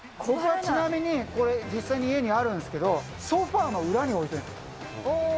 これはちなみに、これ、実際に家にあるんですけど、ソファーの裏に置いてるんですよ。